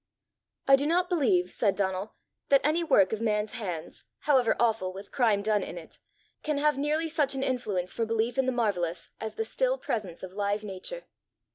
"I do not believe," said Donal, "that any work of man's hands, however awful with crime done in it, can have nearly such an influence for belief in the marvellous, as the still presence of live Nature.